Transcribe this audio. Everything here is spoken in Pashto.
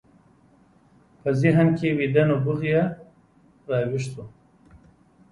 په ذهن کې ويده نبوغ يې را ويښ شو.